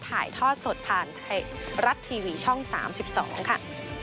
ถ่ายทอดสดผ่านไทยรัฐทีวีช่อง๓๒ค่ะ